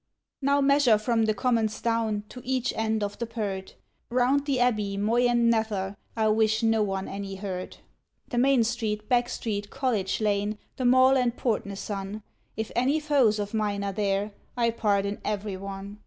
Now measure from the Commons down to each end of the Purt, Round the Abbey, Moy, and Knather, I wish no one any hurt; The Main Street, Back Street, College Lane, the Mall, and Portnasun, If any foes of mine are there, I pardon every one.